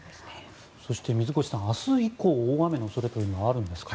そして水越さん明日以降、大雨の恐れというのはあるんですか？